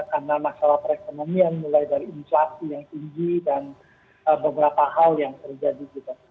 karena masalah perekonomian mulai dari inflasi yang tinggi dan beberapa hal yang terjadi gitu